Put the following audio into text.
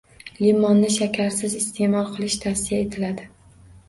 Limonni shakarsiz iste’mol qilish tavsiya etiladi.